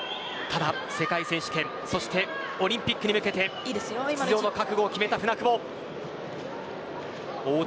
ただ、世界選手権そしてオリンピックに向けて出場の覚悟を決めた舟久保。